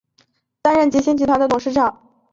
担任齐星集团的董事长。